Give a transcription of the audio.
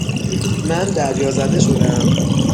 من دریازده شدهام.